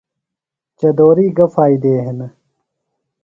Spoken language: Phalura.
چدُوری گہ فائدےۡ ہنِہ؟